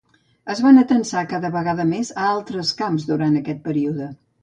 Es va atansar cada vegada més a altres camps durant aquest període.